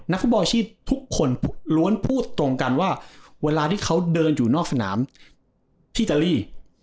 ฟุตบอลชีพทุกคนล้วนพูดตรงกันว่าเวลาที่เขาเดินอยู่นอกสนามที่อิตาลี